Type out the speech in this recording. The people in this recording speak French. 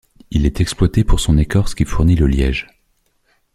Il est exploité pour son écorce qui fournit le liège.